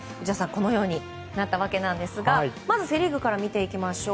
このようになったわけですがまずセ・リーグから見ていきましょう。